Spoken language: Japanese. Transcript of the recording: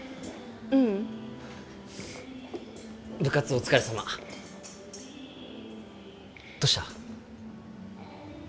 ううん部活お疲れさまどうした？